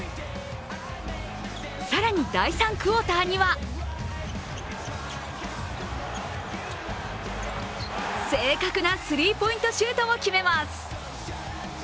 更に第３クオーターには正確なスリーポイントシュートを決めます。